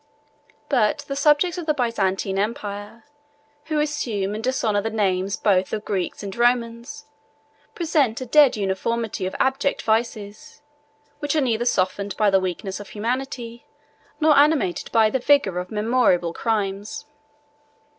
But the subjects of the Byzantine empire, who assume and dishonor the names both of Greeks and Romans, present a dead uniformity of abject vices, which are neither softened by the weakness of humanity, nor animated by the vigor of memorable crimes.